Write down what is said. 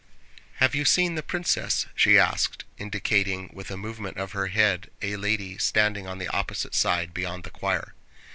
"Have you seen the princess?" she asked, indicating with a movement of her head a lady standing on the opposite side, beyond the choir.